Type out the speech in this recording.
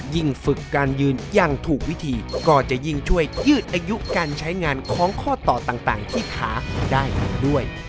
ฝึกการยืนอย่างถูกวิธีก็จะยิ่งช่วยยืดอายุการใช้งานของข้อต่อต่างที่ขาได้อีกด้วย